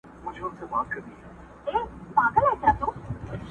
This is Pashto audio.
څه د بمونو څه توپونو په زور ونړیږي؛